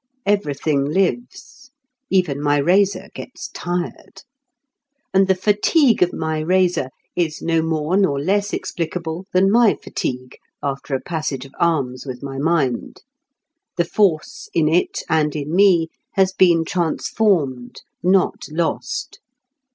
Everything lives. Even my razor gets "tired." And the fatigue of my razor is no more nor less explicable than my fatigue after a passage of arms with my mind. The Force in it, and in me, has been transformed, not lost.